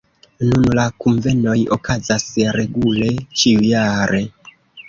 Nun la kunvenoj okazas regule ĉiujare.